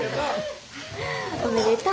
おめでとう。